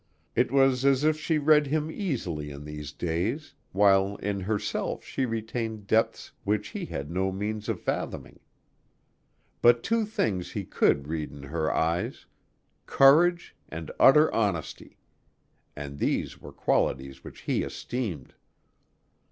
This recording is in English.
It was as if she read him easily in these days, while in herself she retained depths which he had no means of fathoming. But two things he could read in her eyes: courage and utter honesty and these were qualities which he esteemed.